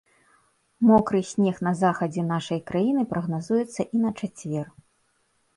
Мокры снег на захадзе нашай краіны прагназуецца і на чацвер.